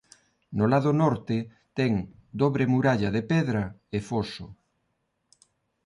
No lado norte ten dobre muralla de pedra e foxo.